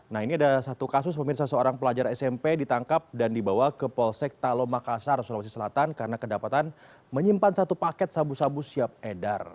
nah ini ada satu kasus pemirsa seorang pelajar smp ditangkap dan dibawa ke polsek talomakasar sulawesi selatan karena kedapatan menyimpan satu paket sabu sabu siap edar